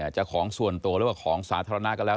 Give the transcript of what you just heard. จะของส่วนตัวหรือว่าของสาธารณะก็แล้ว